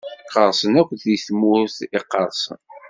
Qqerṣen akk di tmurt iqerṣen.